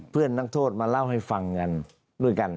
เพื่อนนักโทษมาเล่าให้ฟังกันด้วยกัน